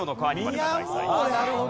なるほど。